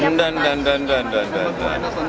dan dan dan dan dan dan dan dan